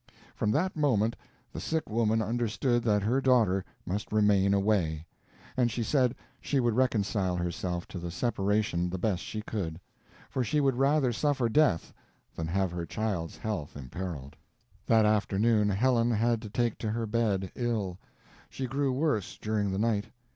From that moment the sick woman understood that her daughter must remain away, and she said she would reconcile herself to the separation the best she could, for she would rather suffer death than have her child's health imperiled. That afternoon Helen had to take to her bed, ill. She grew worse during the night.